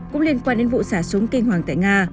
cũng liên quan đến vụ xả súng kinh hoàng tại nga